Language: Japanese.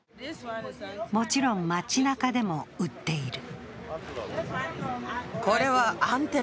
もちろん、街なかでも売っている。